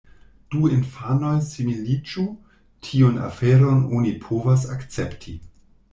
Du infanoj similiĝu, tiun aferon oni povas akcepti.